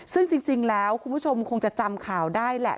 ซึ่งจริงแล้วคุณผู้ชมคงจะจำข่าวได้แหละ